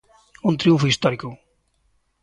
Un triunfo histórico.